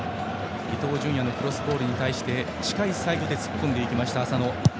伊東純也のクロスボールに対して近いサイドで突っ込んだ浅野。